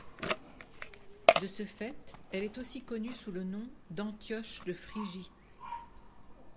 De ce fait elle est aussi connue sous le nom d'Antioche de Phrygie.